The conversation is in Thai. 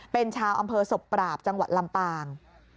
เป็นชาวอำเภอศพปราบจังหวัดลำปาง